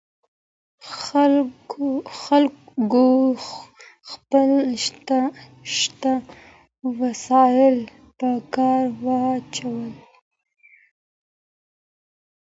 خلګو خپل شته وسایل په کار واچول.